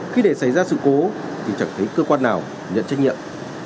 khi để xảy ra sự cố thì chẳng thấy cơ quan nào nhận trách nhiệm